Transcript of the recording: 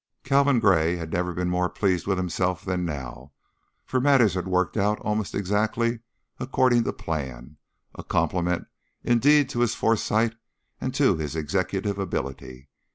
Calvin Gray had never been more pleased with himself than now, for matters had worked out almost exactly according to plan, a compliment indeed to his foresight and to his executive ability.